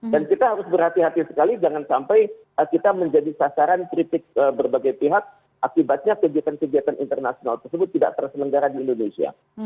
dan kita harus berhati hati sekali jangan sampai kita menjadi sasaran kritik berbagai pihak akibatnya kegiatan kegiatan internasional tersebut tidak tersemenggara di indonesia